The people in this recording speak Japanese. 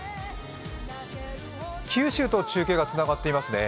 九州と中継がつながっていますね。